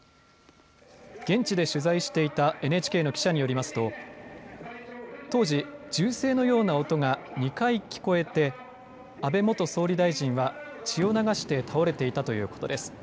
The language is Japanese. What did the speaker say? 現地で取材していたＮＨＫの記者によりますと当時、銃声のような音が２回聞こえて安倍元総理大臣は血を流して倒れていたということです。